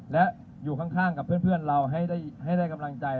และอยู่ข้างกับเพื่อนเราให้ได้กำลังใจ